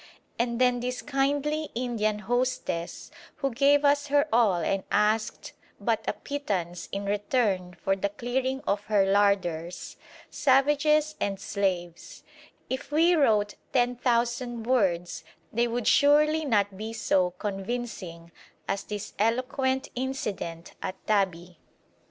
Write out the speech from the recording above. And then this kindly Indian hostess who gave us her all and asked but a pittance in return for the clearing of her larders. Savages and slaves! If we wrote ten thousand words they would surely not be so convincing as this eloquent incident at Tabi.